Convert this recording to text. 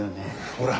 ほら。